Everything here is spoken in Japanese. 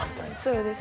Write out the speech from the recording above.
そうです